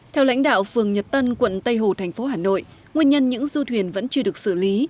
theo lãnh đạo phường nhật tân quận tây hồ thành phố hà nội nguyên nhân những du thuyền vẫn chưa được xử lý